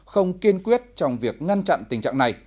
không kiên quyết trong việc ngăn chặn tình trạng này